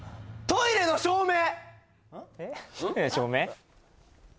トイレの照明？